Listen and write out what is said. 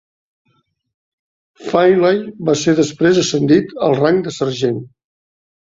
Finlay va ser després ascendit al rang de sergent.